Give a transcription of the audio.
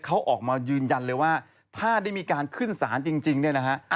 เขาออกมายืนยันเลยว่าถ้าได้มีการขึ้นศาลจริงเนี่ยนะฮะ